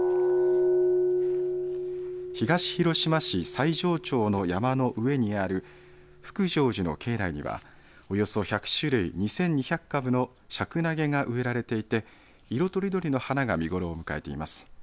西条町の山の上にある福成寺の境内にはおよそ１００種類、２２００株のシャクナゲが植えられていて色とりどりの花が見頃を迎えています。